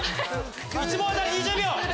１問当たり２０秒。